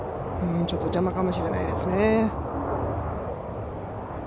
ちょっと邪魔かもしれないですね。